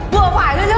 vừa phải thôi chứ